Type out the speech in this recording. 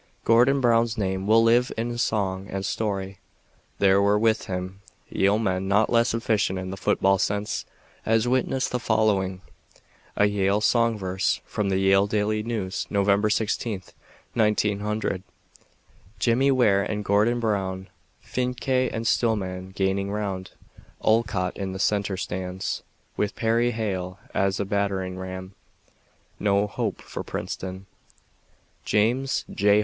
Gordon Brown's name will live in song and story. There were with him Yale men not less efficient in the football sense, as witnesses the following: A Yale Song verse from the Yale Daily News, November 16th, 1900: Jimmy Wear and Gordon Brown, Fincke and Stillman gaining ground; Olcott in the center stands With Perry Hale as a battering ram No hope for Princeton; James J.